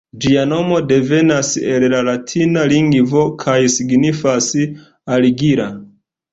Ĝia nomo devenas el la latina lingvo kaj signifas "argila".